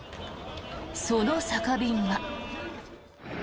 その酒瓶は。